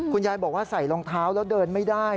คุณยายบอกว่าใส่รองเท้าแล้วเดินไม่ได้